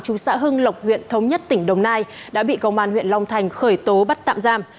chú xã hưng lộc huyện thống nhất tỉnh đồng nai đã bị công an huyện long thành khởi tố bắt tạm giam